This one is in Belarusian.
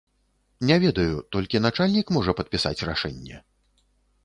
Не ведаю, толькі начальнік можа падпісаць рашэнне?